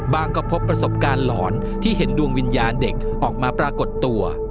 ก็พบประสบการณ์หลอนที่เห็นดวงวิญญาณเด็กออกมาปรากฏตัว